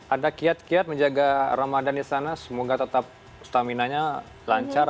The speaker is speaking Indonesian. ada kiat kiat menjaga ramadan di sana semoga tetap stamina nya lancar